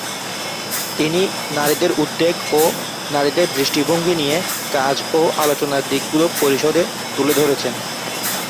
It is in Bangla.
তিনি নারীদের উদ্বেগ ও নারীদের দৃষ্টিভঙ্গি নিয়ে কাজ ও আলোচনার দিকগুলো পরিষদে তুলে ধরেছেন।